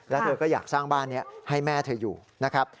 แล้วเธอก็อยากสร้างบ้านนี้ให้แม่เธออยู่นะครับ